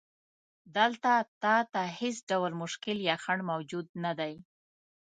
دلته تا ته هیڅ ډول مشکل یا خنډ موجود نه دی.